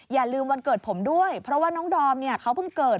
อย่าลืมวันเกิดผมด้วยเพราะว่าน้องดอมเนี่ยเขาเพิ่งเกิด